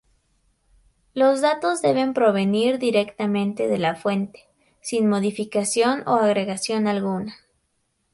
Los datos deben provenir directamente de la fuente, sin modificación o agregación alguna.